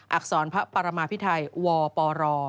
อักษรพระปรมาพิไทยวปร